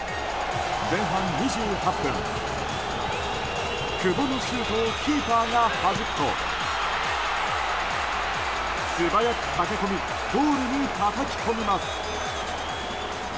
前半２８分、久保のシュートをキーパーがはじくと素早く駆け込みゴールにたたき込みます。